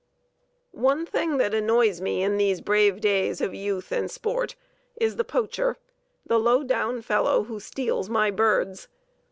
"One thing that annoys me in these brave days of youth and sport is the poacher, the low down fellow who steals my birds.